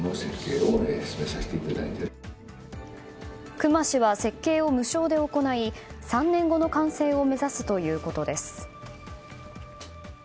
隈氏は設計を無償で行い３年後の完成を目指すということです。